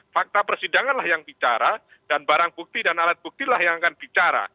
fakta persidangan lah yang bicara dan barang bukti dan alat buktilah yang akan bicara